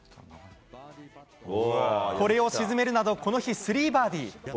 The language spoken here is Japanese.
これを沈めるなどこの日、３バーディー。